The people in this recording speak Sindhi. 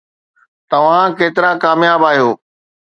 توهان ڪيترا ڪامياب آهيو؟